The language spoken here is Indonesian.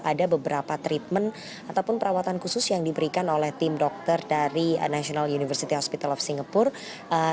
ada beberapa treatment ataupun perawatan khusus yang diberikan oleh tim dokter dari national university hospital of singapore